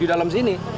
di dalam sini